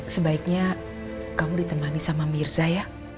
sebaiknya kamu ditemani sama mirza ya